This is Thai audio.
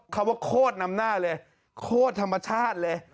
คำว่าโคตรนำหน้าเลยโคตรธรรมชาติเลย